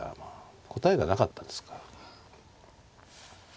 答えがなかったんですから。